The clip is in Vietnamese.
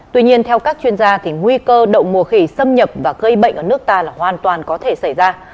tuy nhiên theo các chuyên gia thì nguy cơ đậu mùa khỉ xâm nhập và gây bệnh ở nước ta là hoàn toàn có thể xảy ra